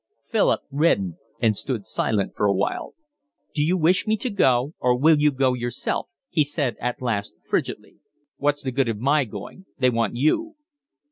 Philip reddened and stood silent for a while. "Do you wish me to go or will you go yourself?" he said at last frigidly. "What's the good of my going? They want you."